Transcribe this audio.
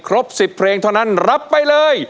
ครบ๑๐เพลงเท่านั้นรับไปเลย